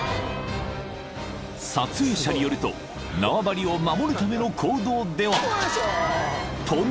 ［撮影者によると縄張りを守るための行動ではとのこと］